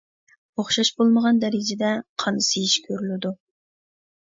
ئوخشاش بولمىغان دەرىجىدە قان سىيىش كۆرۈلىدۇ.